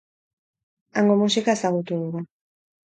Hango musika ezagutu dugu.